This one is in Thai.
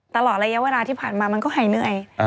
ตลอดระยะเวลาที่ผ่านมามันก็หายเหนื่อย